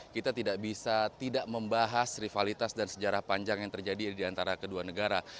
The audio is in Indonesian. kita tidak bisa tidak membahas rivalitas dan sejarah panjang yang terjadi di antara kedua negara